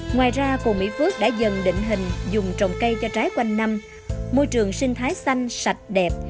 ngoài ra cồn mỹ phước đã dần định hình dùng trồng cây cho trái quanh năm môi trường sinh thái xanh sạch đẹp